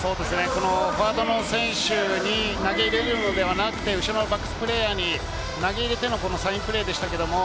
フォワードの選手に投げ入れるのではなく、バックスプレーヤーに投げ入れてのサインプレーでした。